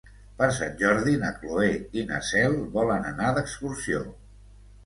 Per Sant Jordi na Cloè i na Cel volen anar d'excursió.